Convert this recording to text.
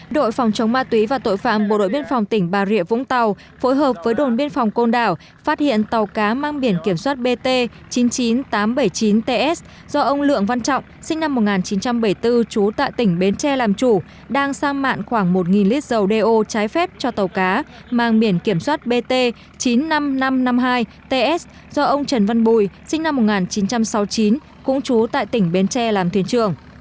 đội phòng chống ma túy và tội phạm bộ đội biên phòng tỉnh bà rịa vũng tàu phối hợp với đồn biên phòng côn đảo phát hiện tàu cá mang biển kiểm soát bt chín mươi chín nghìn tám trăm bảy mươi chín ts do ông lượng văn trọng sinh năm một nghìn chín trăm bảy mươi bốn trú tại tỉnh bến tre làm chủ đang sang mạng khoảng một lít dầu do trái phép cho tàu cá mang biển kiểm soát bt chín mươi năm nghìn năm trăm năm mươi hai ts do ông trần văn bùi sinh năm một nghìn chín trăm sáu mươi chín cũng trú tại tỉnh bến tre làm thuyền trường